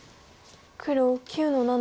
黒９の七。